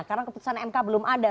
karena keputusan mk belum ada